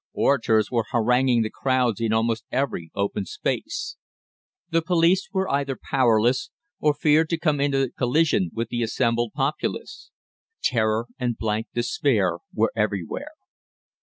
Orators were haranguing the crowds in almost every open space. The police were either powerless, or feared to come into collision with the assembled populace. Terror and blank despair were everywhere.